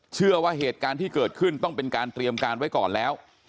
เชื่อว่าเหตุการณ์ที่เกิดขึ้นต้องเป็นการเตรียมการไว้ก่อนแล้ว